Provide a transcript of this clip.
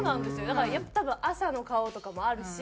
だから多分朝の顔とかもあるし。